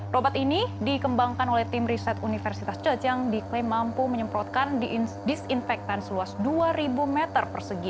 robot ini dikembangkan oleh tim riset universitas cacang diklaim mampu menyemprotkan disinfektan seluas dua ribu meter persegi